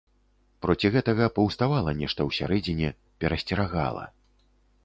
Проці гэтага паўставала нешта ўсярэдзіне, перасцерагала.